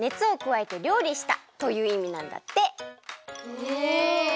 へえ！